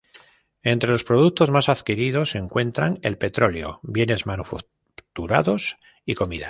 Entre los productos más adquiridos se encuentran el petróleo, bienes manufacturados y comida.